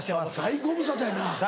大ご無沙汰やな。